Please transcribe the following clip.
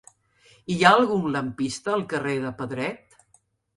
Hi ha algun lampista al carrer de Pedret?